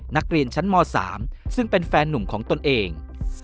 นักเรียนชั้นม๓ซึ่งเป็นแฟนหนุ่มของตนเอง